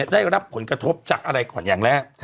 ได้รับผลกระทบจากอะไรก่อนอย่างแรก